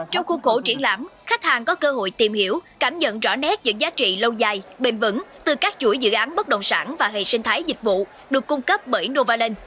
trong khu cổ triển lãm khách hàng có cơ hội tìm hiểu cảm nhận rõ nét những giá trị lâu dài bền vững từ các chuỗi dự án bất động sản và hệ sinh thái dịch vụ được cung cấp bởi novaland